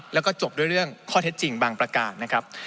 แล้วก็จบด้วยเรื่องข้อเท็จจริงบางประการนะครับ